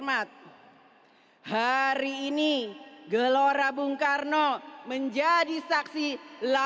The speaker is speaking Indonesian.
tetapi apabila tak bisnis ada bagian bagian ordinary sebagai anggota kepentingan dunia